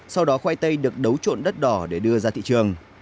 sau đó khoai tây được đấu trộn đất đỏ để đưa ra thị trường